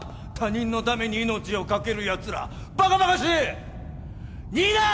他人のために命を懸けるやつらばかばかしい！